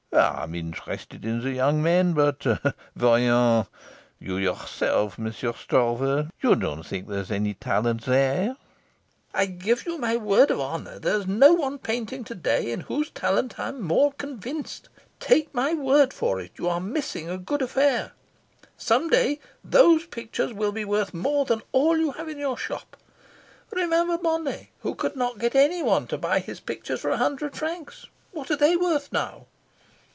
"I'm interested in the young men, but , you yourself, Monsieur Stroeve, you don't think there's any talent there." "I give you my word of honour, there's no one painting to day in whose talent I am more convinced. Take my word for it, you are missing a good affair. Some day those pictures will be worth more than all you have in your shop. Remember Monet, who could not get anyone to buy his pictures for a hundred francs. What are they worth now?"